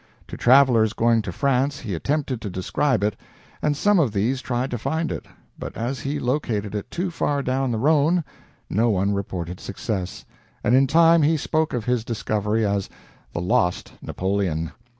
To travelers going to France he attempted to describe it, and some of these tried to find it; but, as he located it too far down the Rhone, no one reported success, and in time he spoke of his discovery as the "Lost Napoleon."